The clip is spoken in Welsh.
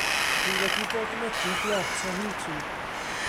Wi wedi bod yn edrych lot ar Youtube.